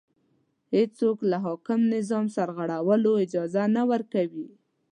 هېڅوک له حاکم نظام سرغړولو اجازه نه ورکړي